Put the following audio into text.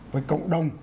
với cộng đồng